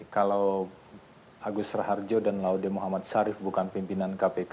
kalau agus raharjo dan laude muhammad syarif bukan pimpinan kpk